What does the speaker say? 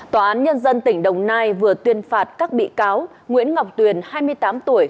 tòa án nhân dân tỉnh đồng nai vừa tuyên phạt các bị cáo nguyễn ngọc tuyền hai mươi tám tuổi